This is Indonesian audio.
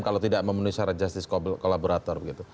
kalau tidak memenuhi syarat justice collaborator begitu